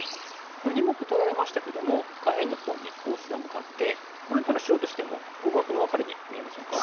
これ２目取られましたけども下辺のほうにフォースが向かってこれなら白としても互角のワカレに見えませんか？